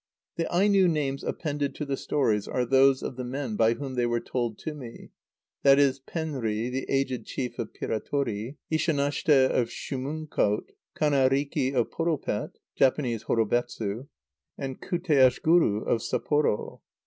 The Aino names appended to the stories are those of the men by whom they were told to me, viz. Penri, the aged chief of Piratori; Ishanashte of Shumunkot; Kannariki of Poropet (Jap. Horobetsu); and Kuteashguru of Sapporo.